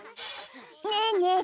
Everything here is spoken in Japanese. ねえねえ